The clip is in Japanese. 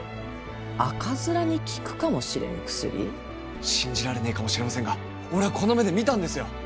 赤面に効くかもしれぬ薬？信じられねえかもしれませんが俺ぁこの目で見たんですよ！